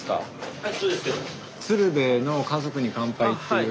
はい。